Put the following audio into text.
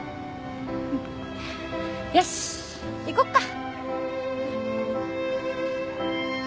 よし行こっか。